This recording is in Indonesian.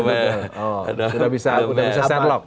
sudah bisa set lock